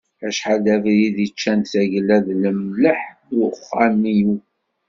Acḥal d abrid i ččant tagella d lemleḥ n uxxam-iw.